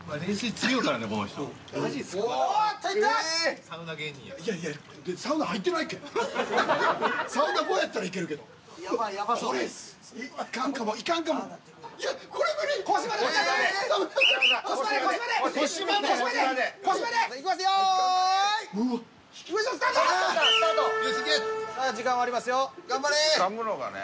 つかむのがね。